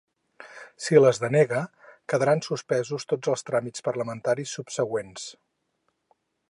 Si les denega, ‘quedaran suspesos tots les tràmits parlamentaris subsegüents’.